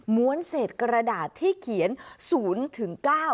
้วนเศษกระดาษที่เขียน๐ถึง๙